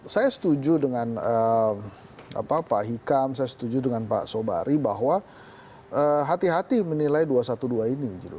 saya setuju dengan pak hikam saya setuju dengan pak sobari bahwa hati hati menilai dua ratus dua belas ini